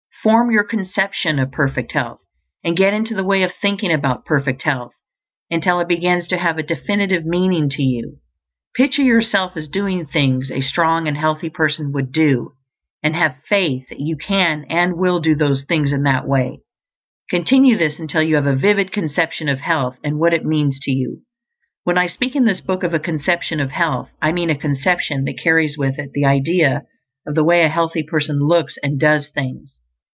Form your conception of perfect health, and get into the way of thinking about perfect health until it begins to have a definite meaning to you. Picture yourself as doing the things a strong and healthy person would do, and have faith that you can and will do those things in that way; continue this until you have a vivid CONCEPTION of health, and what it means to you. When I speak in this book of a conception of health, I mean a conception that carries with it the idea of the way a healthy person looks and does things.